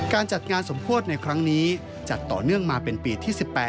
การจัดงานสมโพธิในครั้งนี้จัดต่อเนื่องมาเป็นปีที่๑๘